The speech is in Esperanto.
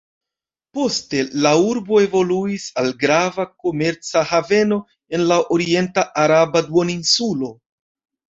Poste la urbo evoluis al grava komerca haveno en la orienta araba duoninsulo.